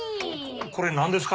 これなんですか？